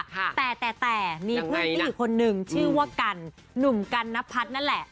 ค่ะแต่แต่แต่ยังไงมีคนอีกคนนึงชื่อว่ากันหนุ่มกันนับพัดนั่นแหละ